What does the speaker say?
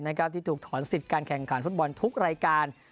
ที่ถูกถอนสิทธิ์การแข่งขันฟุตบอลทุกรายการ